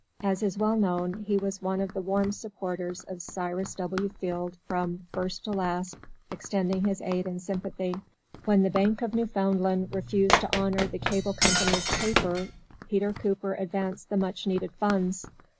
As is well known, he was one of the warm supporters of Cyrus W. Field from first to last, extending his aid and sympathy. When the Bank of Newfoundland refused to honor the Cable Company's paper Peter Cooper advanced the much needed funds.